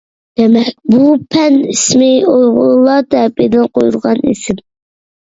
دېمەك بۇ پەن ئىسمى ئۇيغۇرلار تەرىپىدىن قويۇلغان ئىسىم!